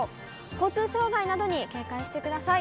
交通障害などに警戒してください。